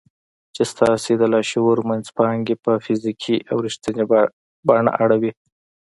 چې ستاسې د لاشعور منځپانګې په فزيکي او رښتينې بڼه اړوي.